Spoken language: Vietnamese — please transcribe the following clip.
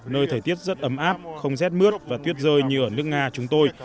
nơi thời tiết rất ấm áp không rét mướt và tuyết rơi như ở nước nga chúng tôi